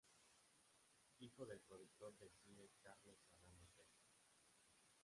Hijo del productor de cine Carlos Serrano Tell.